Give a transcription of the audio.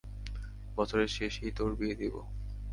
বছরের শেষেই তোর বিয়ে দেব।